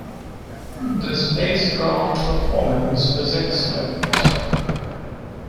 The spacecraft performance was excellent.